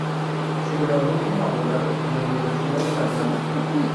Se graduó como abogado en la Universidad de La Plata.